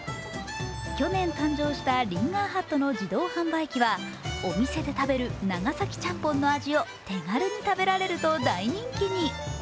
去年誕生したリンガーハットの自動販売機はお店で食べる長崎ちゃんぽんの味を手軽に食べられると大人気に。